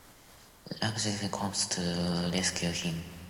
Lakshmi comes to rescue him.